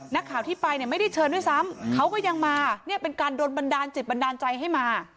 นักข่าวที่ไปเนี่ยไม่ได้เชิญด้วยซ้ำเขาก็ยังมาเนี่ยเป็นการโดนบันดาลจิตบันดาลใจให้มา